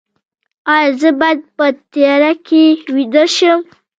ایا زه باید په تیاره کې ویده شم؟